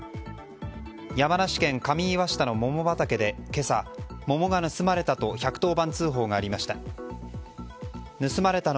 山梨県上岩下の桃畑で今朝、桃が盗まれたと１１０番通報がありました。